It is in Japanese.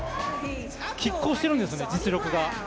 きっ抗してるんですね、実力が。